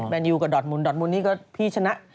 แมนยูกับดอตมูนดอตมูนนี่ก็พี่ชนะ